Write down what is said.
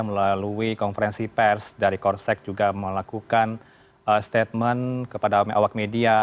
melalui konferensi pers dari korsek juga melakukan statement kepada awak media